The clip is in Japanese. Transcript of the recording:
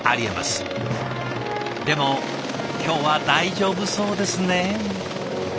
でも今日は大丈夫そうですね。